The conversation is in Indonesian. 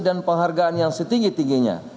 dan penghargaan yang setinggi tingginya